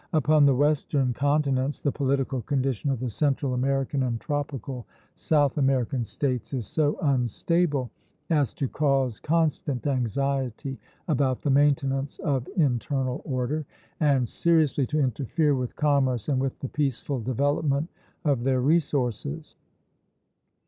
Upon the western continents the political condition of the Central American and tropical South American States is so unstable as to cause constant anxiety about the maintenance of internal order, and seriously to interfere with commerce and with the peaceful development of their resources.